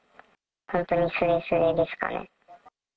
本当にすれすれですかね。